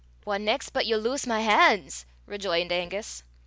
"What neist but ye'll lowse my han's?" rejoined Angus.